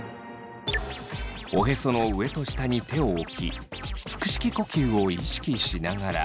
おへその上と下に手を置き腹式呼吸を意識しながら。